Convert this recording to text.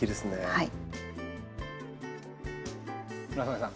はい！